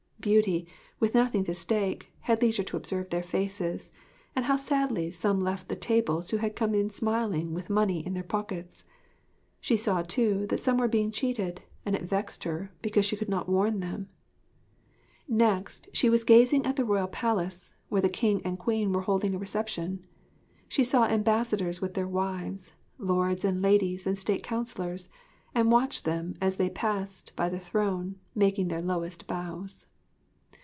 Beauty, with nothing to stake, had leisure to observe their faces, and how sadly some left the tables who had come smiling with money in their pockets. She saw, too, that some were being cheated; and it vexed her, because she could not warn them. Next, she was gazing at the Royal Palace, where the King and Queen were holding a reception. She saw ambassadors with their wives, lords and ladies and state counsellors; and watched them as they passed by the throne making their lowest bows.